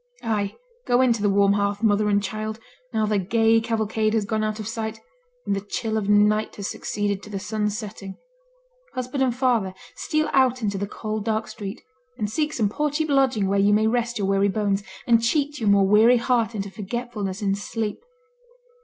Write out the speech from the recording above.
Ay! go in to the warm hearth, mother and child, now the gay cavalcade has gone out of sight, and the chill of night has succeeded to the sun's setting. Husband and father, steal out into the cold dark street, and seek some poor cheap lodging where you may rest your weary bones, and cheat your more weary heart into forgetfulness in sleep.